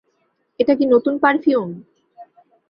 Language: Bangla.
এটা কি নতুন পারফিউম?